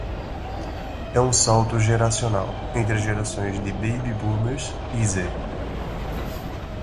É um salto geracional, entre as gerações de Baby Boomers e Z